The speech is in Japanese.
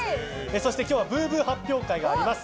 そして、今日ぶうぶう発表会があります。